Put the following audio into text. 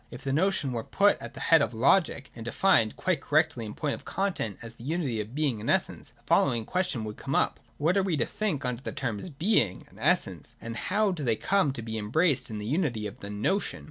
If the notion were put at the head of Logic, and defined, quite correctly in point of content, as the unity of Being and Essence, the following question would come up : What are we to think under the terms ' Being' and ' Essence,' and how do they come to be embraced in the unity of the Notion